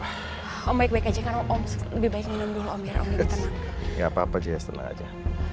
yes om baik baik aja kan om lebih baiknya dulu om ya apa apa jasen aja